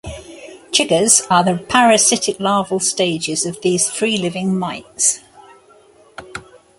Chiggers are the parasitic larval stages of these free-living mites.